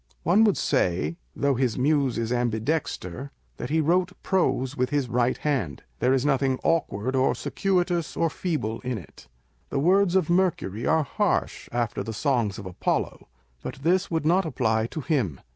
One would say (though his Muse is ambidexter) that he wrote prose with his right hand ; there is nothing awkward or circuitous, or feeble in it. " The words of Mercury are harsh after the songs of Apollo :" but this would not apply to him.